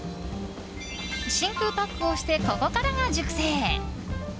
真空パックをしてここからが熟成。